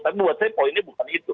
tapi buat saya poinnya bukan itu